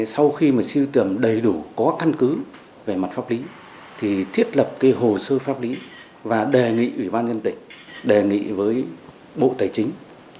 sau khi mà siêu tầm đầy đủ có căn cứ về mặt pháp lý thì thiết lập cái hồ sơ pháp lý và đề nghị ủy ban nhân tịch đề nghị với bộ tài chính